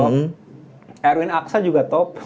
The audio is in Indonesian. erwin aksa juga top